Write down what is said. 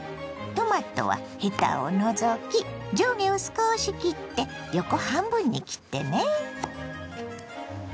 トマトはヘタを除き上下を少し切って横半分に切ってね。